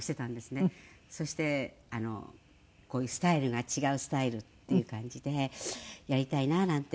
そしてこういう「スタイルが違うスタイルっていう感じでやりたいな」なんて